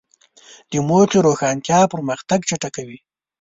د موخې روښانتیا پرمختګ چټکوي.